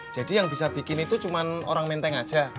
jadi yang bisa bikin itu cuma orang menteng saja